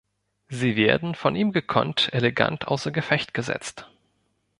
Sie werden von ihm gekonnt elegant außer Gefecht gesetzt.